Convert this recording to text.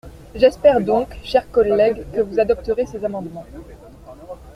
J’espère donc, chers collègues, que vous adopterez ces amendements.